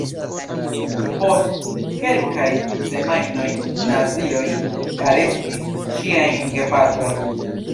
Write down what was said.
Post kelkaj semajnoj nazioj arestis ŝiajn gepatrojn.